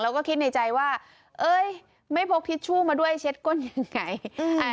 แล้วก็คิดในใจว่าเอ้ยไม่พกทิชชู่มาด้วยเช็ดก้นยังไง